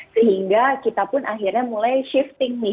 sehingga kita pun akhirnya mulai shifting nih